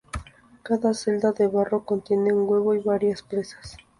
Cada celda de barro contiene un huevo y varias presas.